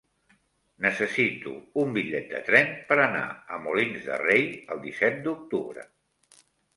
Necessito un bitllet de tren per anar a Molins de Rei el disset d'octubre.